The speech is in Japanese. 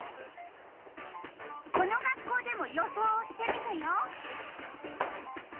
この学校でも予想をしてみたよ。